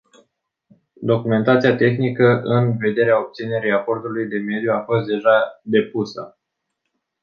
Documentația tehnică în vederea obținerii acordului de mediu a fost deja depusă.